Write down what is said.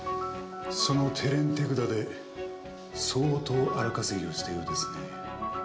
その手練手管で相当荒稼ぎをしたようですね。